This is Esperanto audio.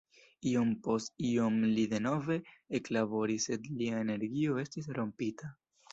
Iom post iom li denove eklaboris sed lia energio estis rompita.